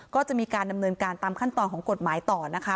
ก็จะมีการดำเนินการตามขั้นตอนของกฎหมายต่อนะคะ